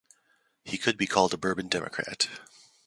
He could be called a Bourbon Democrat.